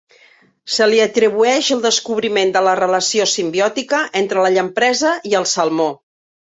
Se li atribueix el descobriment de la relació simbiòtica entre la llampresa i el salmó.